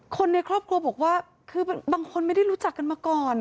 คนในครอบครัวบอกว่าคือบางคนไม่ได้รู้จักกันมาก่อน